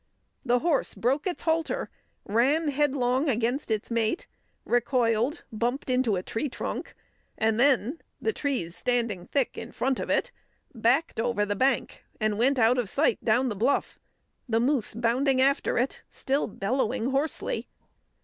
The horse broke its halter, ran headlong against its mate, recoiled, bumped into a tree trunk, and then the trees standing thick in front of it backed over the bank and went out of sight down the bluff, the moose bounding after it, still bellowing hoarsely.